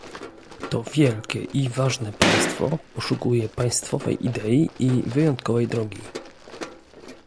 To wielkie i ważne państwo poszukuje państwowej idei i wyjątkowej drogi